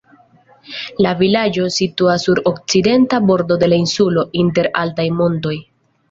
La vilaĝo situas sur okcidenta bordo de la insulo, inter altaj montoj.